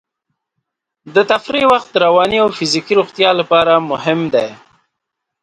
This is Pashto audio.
د تفریح وخت د رواني او فزیکي روغتیا لپاره مهم دی.